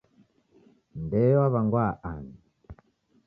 Ndeo waw'angwaa ani?